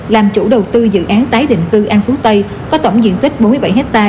làm chủ đầu tư dự án tái định cư an phú tây có tổng diện tích bốn mươi bảy hectare